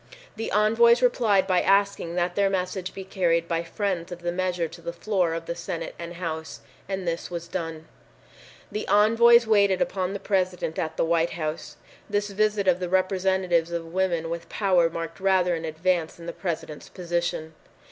The envoys replied by asking that their message be carried by friends of the measure to the floor of the Senate and House, and this was done. The envoys waited upon the President at the White House. This visit of the representatives of women with power marked rather an advance in the President's position.